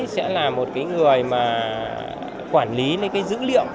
sẽ là một cái người mà quản lý những cái dữ liệu